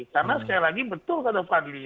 karena sekali lagi betul kata fandi